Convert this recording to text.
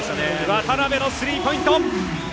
渡邉のスリーポイント。